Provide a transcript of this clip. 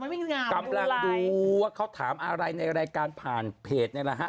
มันไม่งามดูว่าเขาถามอะไรในรายการผ่านเพจนี่แหละฮะ